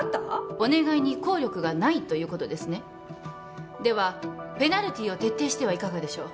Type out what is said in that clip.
お願いに効力がないということですねではペナルティーを徹底してはいかがでしょう